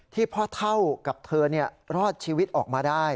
พ่อเท่ากับเธอรอดชีวิตออกมาได้